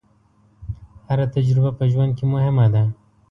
هره تجربه په ژوند کې مهمه ده.